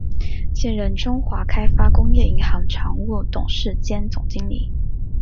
现任中华开发工业银行常务董事兼总经理。